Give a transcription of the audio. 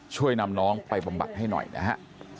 ช่วยนำน้องไปบำบัดให้หน่อยนะฮะ